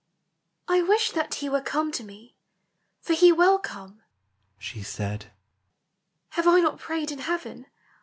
" I wish that he were come to me, For he will come," she said. " Have I not prayed in Heaven